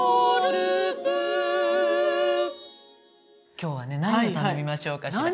今日は何を頼みましょうかしら？